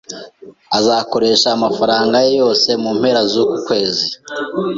Azakoresha amafaranga ye yose mu mpera z'ukwezi.